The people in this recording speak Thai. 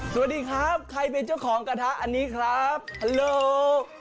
สวัสดีครับใครเป็นเจ้าของกระทะอันนี้ครับฮัลโล